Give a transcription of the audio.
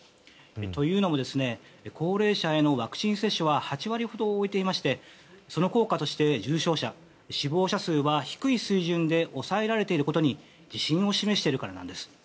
というのも、高齢者へのワクチン接種は８割ほど終えていましてその効果として重症者、死亡者数は低い水準で抑えられていることに自信を示しているからなんです。